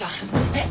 えっ？